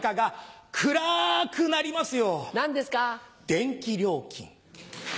電気料金。